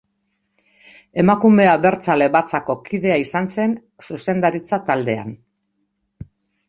Emakume Abertzale Batzako kidea izan zen, zuzendaritza taldean.